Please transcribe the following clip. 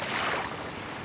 satu satunya hal yang menarik